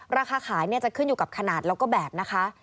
ราคาขายจะขึ้นอยู่กับขนาดแล้วก็แบบนะคะ